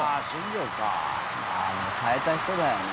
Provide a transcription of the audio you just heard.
「でも変えた人だよね」